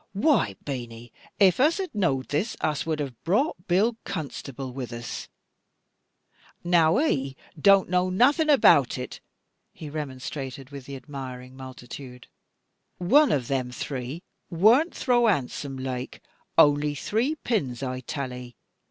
Why, Beany, if us had knowed this, us would have brought Bill constable with us, ees fai. Now 'e don't know nothing about it" he remonstrated with the admiring multitude "one o' them dree worn't throw handsome laike, ony dree pins, I tull 'e.